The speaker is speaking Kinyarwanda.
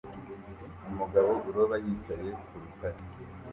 Umugabo uroba yicaye ku rutare